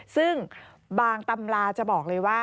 ซึ่งบางตำราจะบอกเลยว่า